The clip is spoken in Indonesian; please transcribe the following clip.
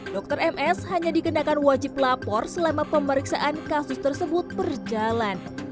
dokter ms hanya dikenakan wajib lapor selama pemeriksaan kasus tersebut berjalan